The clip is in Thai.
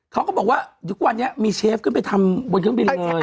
เขาก็บอกว่าทุกวันนี้มีเชฟขึ้นไปทำบนเครื่องบินเลย